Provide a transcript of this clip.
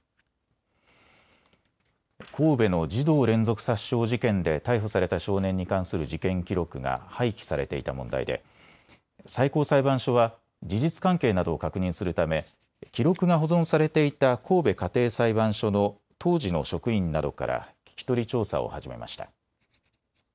神戸の児童連続殺傷事件で逮捕された少年に関する事件記録が廃棄されていた問題で最高裁判所は事実関係などを確認するため記録が保存されていた神戸家庭裁判所の当時の職員などから聞き取り調査を始めました。